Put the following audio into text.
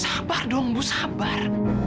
sabar dong bu sabar